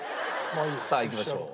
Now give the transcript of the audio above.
さあいきましょう。